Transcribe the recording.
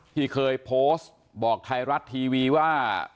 ที่เคยโพสต์บอกไทยรัฐทีวีว่า